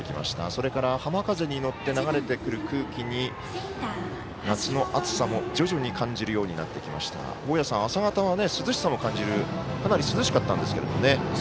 それから浜風に乗って流れてくる空気に夏の暑さも徐々に感じるようになってきましたが朝方はかなり涼しかったんですが。